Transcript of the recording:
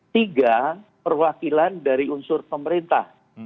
tiga perwakilan dari unsur pemerintah